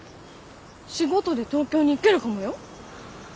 仕事で東京に行けるかもよ。